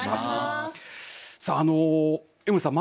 さあ江守さん